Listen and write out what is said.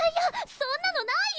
そんなのないよ！